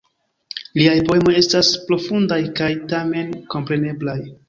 Liaj poemoj estas profundaj kaj tamen kompreneblaj.